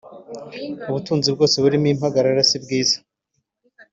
ubutunzi bwinshi burimo impagarara si bwiza